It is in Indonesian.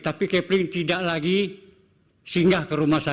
tapi capling tidak lagi singgah ke rumah sakit